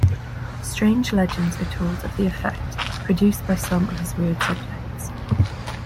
Strange legends are told of the effect produced by some of his weird subjects.